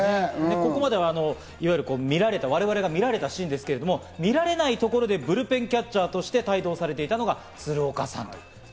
ここまでは我々が見られたシーンですけど、見られないところでブルペンキャッチャーとして帯同されていたのが鶴岡さん。